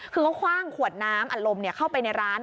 คือเขาคว่างขวดน้ำอัดลมเข้าไปในร้าน